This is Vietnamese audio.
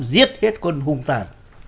giết hết quân hung tàn